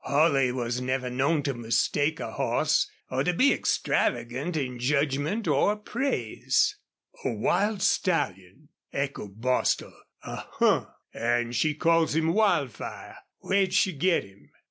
Holley was never known to mistake a horse or to be extravagant in judgment or praise. "A wild stallion!" echoed Bostil. "A huh! An' she calls him Wildfire. Where'd she get him? ...